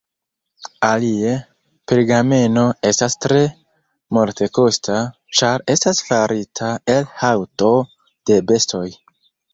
Alie, pergameno estas tre multekosta, ĉar estas farita el haŭto de bestoj.